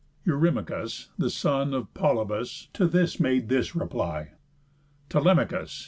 Eurymachus, the son of Polybus, To this made this reply: "Telemachus!